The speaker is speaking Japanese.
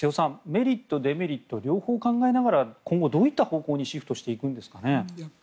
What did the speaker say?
メリット、デメリット両方考えながら今後どういった方向にシフトしていくんですかね。